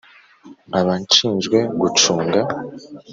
nkaba nshinjwe gucunga